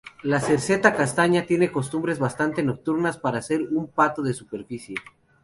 La cerceta castaña tiene costumbres bastante nocturnas para ser un pato de superficie.